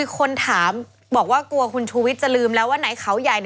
คนถามบอกว่ากลัวคุณชูวิทย์จะลืมแล้วว่าไหนเขาใหญ่